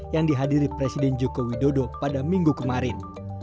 yang dihadiri presiden joko widodo pada minggu kemarin